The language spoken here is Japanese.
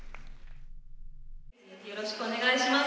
よろしくお願いします。